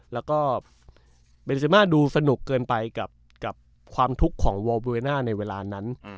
แล้วก็เบนเซมาดูสนุกเกินไปกับความทุกข์ของวอร์บูเวน่าในเวลานั้น